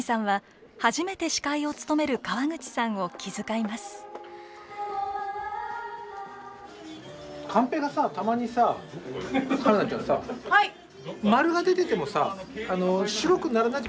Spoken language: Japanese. はい！